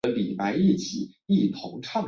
他的目标很明确